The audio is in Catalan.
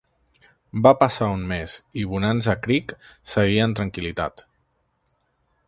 Va passar un mes i Bonanza Creek seguia en tranquil·litat.